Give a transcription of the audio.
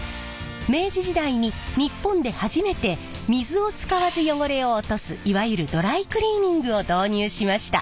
明治時代に日本で初めて水を使わず汚れを落とすいわゆるドライクリーニングを導入しました。